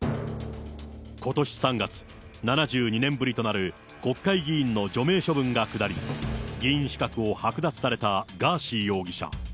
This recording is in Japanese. ことし３月、７２年ぶりとなる国会議員の除名処分が下り、議員資格を剥奪されたガーシー容疑者。